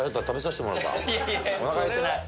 おなか減ってない？